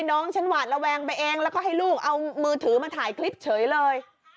น้องฉันหวาดระแวงไปเองแล้วก็ให้ลูกเอามือถือมาถ่ายคลิปเฉยเลย